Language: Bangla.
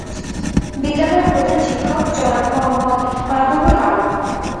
বিদ্যালয়ের প্রধান শিক্ষক জনাব মোহাম্মদ মাহবুবুল আলম।